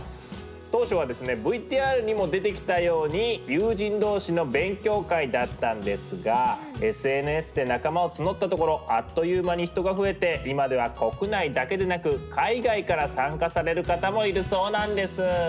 当初はですねＶＴＲにも出てきたように友人同士の勉強会だったんですがＳＮＳで仲間を募ったところあっという間に人が増えて今では国内だけでなく海外から参加される方もいるそうなんです。